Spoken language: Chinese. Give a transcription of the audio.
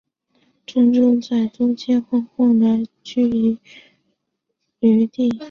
郑国在东迁后原来居于留地。